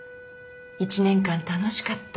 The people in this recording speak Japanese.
１年間楽しかった